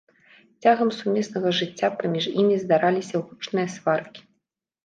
Цягам сумеснага жыцця паміж імі здараліся гучныя сваркі.